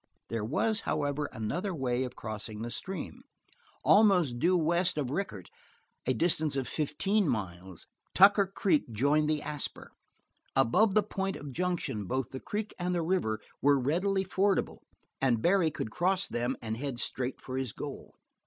There was, however, another way of crossing the stream. Almost due west of Rickett, a distance of fifteen miles, Tucker Creek joined the Asper. Above the point of junction both the creek and the river were readily fordable, and Barry could cross them and head straight for his goal.